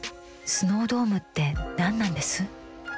スノードームって何なんです？